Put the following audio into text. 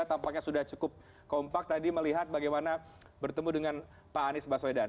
tampaknya sudah cukup kompak tadi melihat bagaimana bertemu dengan pak anies baswedan